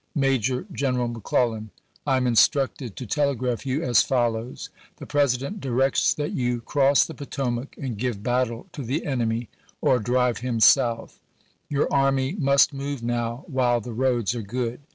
Major General McClellan : I am instructed to tele graph you as follows : The President directs that you cross the Potomac and give battle to the enemy or drive him South. Your army must move now while the roads are good.